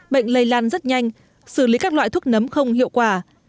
bệnh lây lan rất nhanh xử lý các loại thuốc nấm không hiệu quả